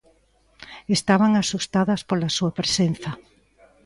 Estaban asustadas pola súa presenza.